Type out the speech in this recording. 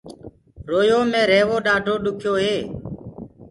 وري يو مي رهيوو ڏآڍو ڏُکيو هي۔